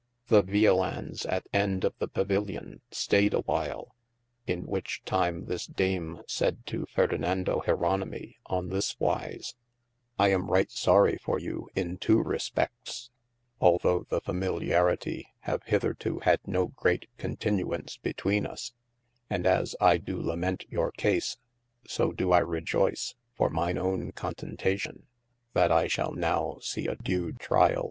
The violands at end of the pavion staied a whyle : in whiche time this Dame sayde to Ferdinando Jeronimi on this wise : I am right sory for you in two respe£ts, although the familiarity have hytherto had no great continuance betwene us : and as I do lament your case, so doo I rejoyce (for myne own contentation) that I shal now see a due trial!